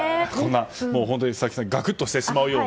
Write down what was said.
本当に佐々木さんがガクッとしてしまうような。